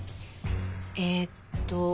えーっと。